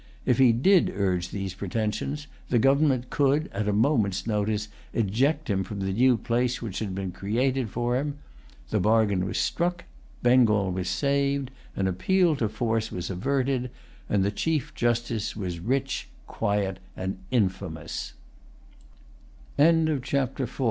If he did urge these pretensions, the government could, at a moment's notice, eject him from the new place which had been created for him. The bargain was struck; Bengal was saved; an appeal to force was averted; and the Chief Justice was rich, quiet